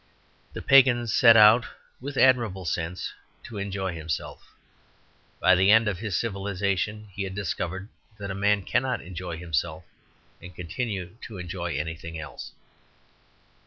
The pagan set out, with admirable sense, to enjoy himself. By the end of his civilization he had discovered that a man cannot enjoy himself and continue to enjoy anything else.